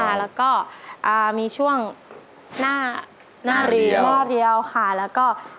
เบิ้ลหน้าท้องค่ะแล้วก็มีช่วงหน้าเมาะเดียวค่ะแล้วก็